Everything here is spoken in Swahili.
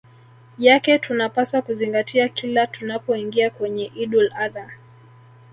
yake tunapaswa kuzingatia kila tunapoingia kwenye Idul Adh ha